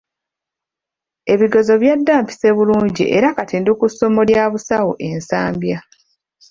Ebigezo byadda mpise bulungi era kati ndi ku ssomo lya busawo e Nsambya.